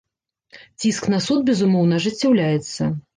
Ціск на суд, безумоўна, ажыццяўляецца.